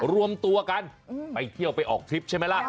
รวมตัวกันไปเที่ยวไปออกทริปใช่ไหมล่ะ